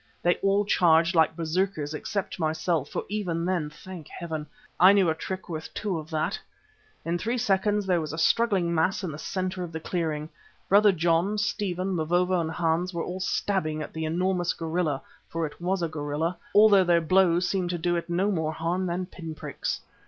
They all charged like berserkers, except myself, for even then, thank Heaven! I knew a trick worth two of that. In three seconds there was a struggling mass in the centre of the clearing. Brother John, Stephen, Mavovo and Hans were all stabbing at the enormous gorilla, for it was a gorilla, although their blows seemed to do it no more harm than pinpricks.